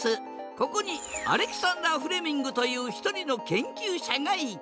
ここにアレキサンダー・フレミングという一人の研究者がいた。